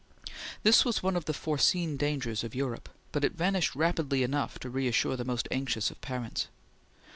This was one of the foreseen dangers of Europe, but it vanished rapidly enough to reassure the most anxious of parents.